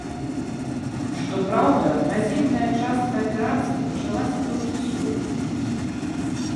Што праўда, наземная частка аперацыі пачалася толькі сёння.